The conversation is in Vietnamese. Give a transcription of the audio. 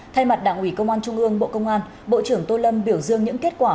thay mặt đảng ủy công an trung ương bộ công an bộ trưởng tô lâm biểu dương những kết quả